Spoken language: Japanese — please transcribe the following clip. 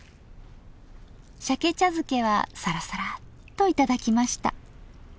しゃけ茶漬けはサラサラッと頂きました。